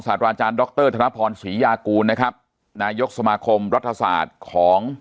ตราอาจารย์ดรธนพรศรียากูลนะครับนายกสมาคมรัฐศาสตร์ของ